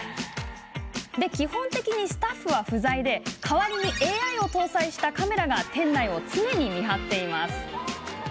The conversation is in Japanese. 基本的にスタッフは不在で代わりにＡＩを搭載したカメラが店内を常に見張っています。